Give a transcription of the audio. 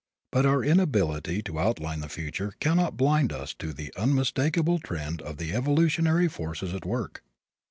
But our inability to outline the future cannot blind us to the unmistakable trend of the evolutionary forces at work.